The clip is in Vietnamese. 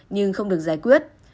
nhưng không được giải quyết